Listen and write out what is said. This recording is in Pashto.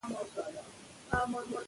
:کندهار ښاروالي د ښار د پاکوالي،